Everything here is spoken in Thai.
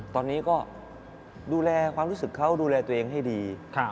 ตอนนี้ก็ดูแลความรู้สึกเขาดูแลตัวเองให้ดี